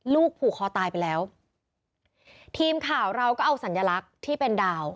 ผูกคอตายไปแล้วทีมข่าวเราก็เอาสัญลักษณ์ที่เป็นดาว